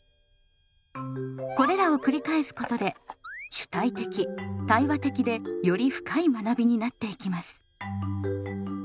これらを繰り返すことで主体的対話的でより深い学びになっていきます。